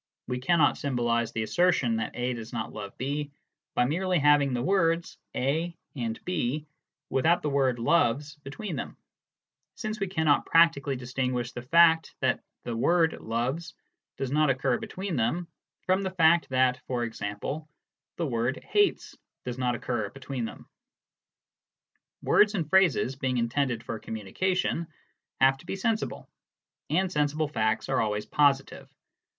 We cannot symbolise the assertion that A does not love B by merely having the words " A " and " B " without the word " loves " between them, since we cannot practically distinguish the fact that the word " loves " does not occur between them from the fact that, e.g., the word " hates " does not occur between them. Words and phrases, being intended for communication, have to be sensible ; and sensible facts are always positive.